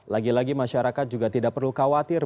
lagi lagi masyarakat juga tidak perlu khawatir